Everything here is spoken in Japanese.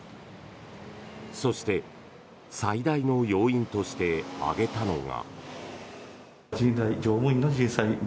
そして、最大の要因として挙げたのが。